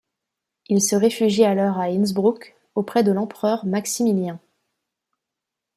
Il se réfugie alors à Innsbruck auprès de l'empereur Maximilien.